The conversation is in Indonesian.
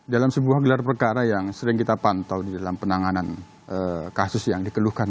dalam sebuah gelar perkara yang sering kita pantau di dalam penanganan kasus yang dikeluhkan